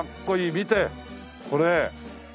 見てこれ！